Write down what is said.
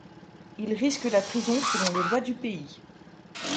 Il risque la prison selon les lois du pays.